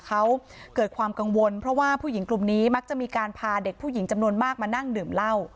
เขาเกิดความกังวลเพราะว่าผู้หญิงกลุ่มนี้มักจะมีการพาเด็กผู้หญิงจำนวนมากมานั่งดื่มเหล้า